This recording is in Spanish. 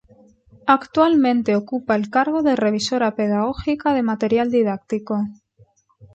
Actualmente ocupa el cargo de Revisora Pedagógica de material didáctico.